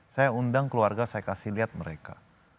saya undang keluarga saya kasih lihat mereka